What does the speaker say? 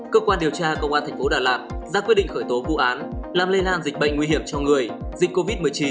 cơ quan điều tra công an thành phố đà lạt ra quyết định khởi tố vụ án làm lây lan dịch bệnh nguy hiểm cho người dịch covid một mươi chín